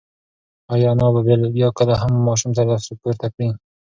ایا انا به بیا کله هم ماشوم ته لاس پورته کړي؟